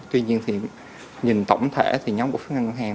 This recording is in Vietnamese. tuy nhiên thì nhìn tổng thể thì nhóm cổ phiếu ngân hàng